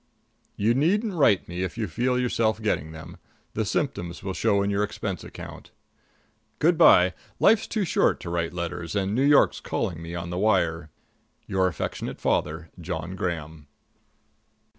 You needn't write me if you feel yourself getting them. The symptoms will show in your expense account. Good by; life's too short to write letters and New York's calling me on the wire. Your affectionate father, JOHN GRAHAM.